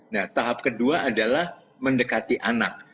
nah tahap kedua adalah mendekati anak